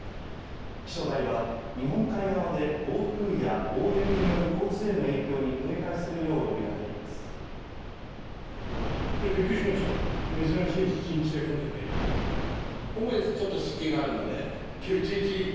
気象台は日本海側で暴風や大雪による交通への影響に警戒するよう呼びかけています。